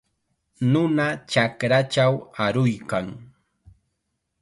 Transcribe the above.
Nuna chakrachaw aruykan.